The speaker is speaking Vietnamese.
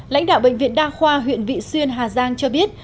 lãnh đạo bệnh viện đa khoa huyện vị xuyên hà giang cho biết